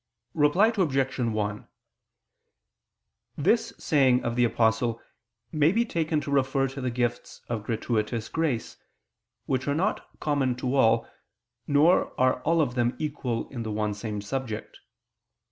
Reply Obj. 1: This saying of the Apostle may be taken to refer to the gifts of gratuitous grace, which are not common to all, nor are all of them equal in the one same subject.